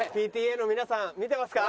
ＰＴＡの皆さん見てますか？